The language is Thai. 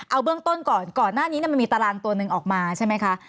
เอาเบื้องต้นก่อนก่อนหน้านี้มันมีตารางตัวหนึ่งออกมาใช่ไหมคะ